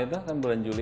itu kan bulan juli